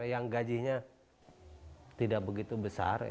yang gajinya tidak begitu besar